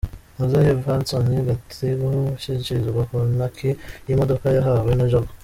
Muzehe Evanson Gathigu ashyikirizwa kontaki y'imodoka yahawe na Jaguar.